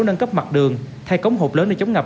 nâng cấp mặt đường thay cống hộp lớn để chống ngập